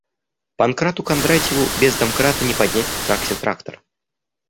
Панкрату Кондратьеву без домкрата не поднять на тракте трактор.